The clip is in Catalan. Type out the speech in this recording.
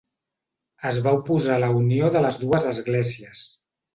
Es va oposar a la unió de les dues esglésies.